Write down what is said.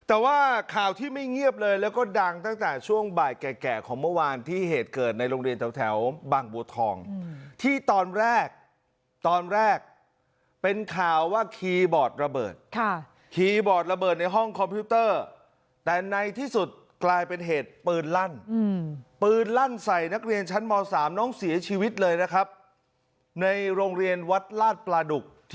แต่ว่าข่าวที่ไม่เงียบเลยแล้วก็ดังตั้งแต่ช่วงบ่ายแก่ของเมื่อวานที่เหตุเกิดในโรงเรียนแถวบางบัวทองที่ตอนแรกตอนแรกเป็นข่าวว่าคีย์บอร์ดระเบิดคีย์บอร์ดระเบิดในห้องคอมพิวเตอร์แต่ในที่สุดกลายเป็นเหตุปืนลั่นปืนลั่นใส่นักเรียนชั้นม๓น้องเสียชีวิตเลยนะครับในโรงเรียนวัดลาดปลาดุก